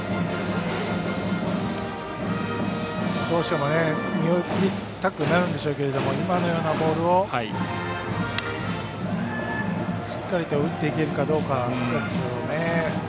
どうしても見送りたくなるんでしょうけど今のようなボールをしっかりと打っていけるかどうかでしょうね。